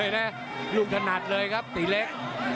ให้ลูกถนัดเลยนะตรีเหล็ก